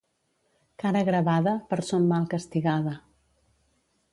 Cara gravada, per son mal castigada.